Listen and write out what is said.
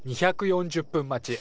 ２４０分待ち。